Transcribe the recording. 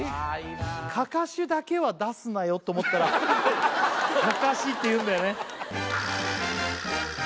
かかしだけは出すなよと思ったらかかしって言うんだよね